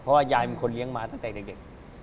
เพราะว่ายายเป็นคนเลี้ยงมาตั้งแต่เด็ก